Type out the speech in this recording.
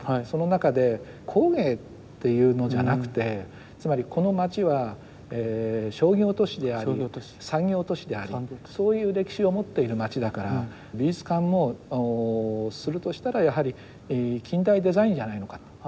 その中で工芸というのじゃなくてつまりこの町は商業都市であり産業都市でありそういう歴史を持っている町だから美術館もするとしたらやはり近代デザインじゃないのかと。